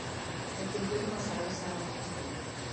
له کلتوري مسايلو سره مخ کېږي.